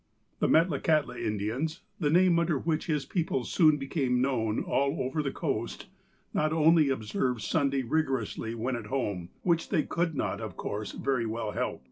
The Metlakahtla Indians, the name under which his people soon became known all over the coast, not only observed Sunday rigorously when at home, which they could not, of course, very well help.